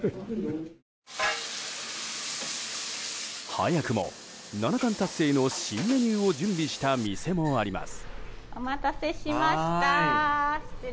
早くも七冠達成の新メニューを準備した店もあります。